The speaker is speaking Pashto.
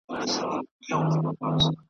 اور ته خپل او پردی یو دی .